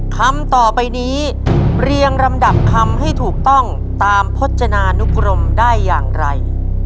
คำต่อไปนี้เรียงลำดับคำให้ถูกต้องตามพจนานุกรมได้อย่างไร